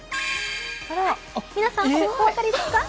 皆さん、お分かりですか？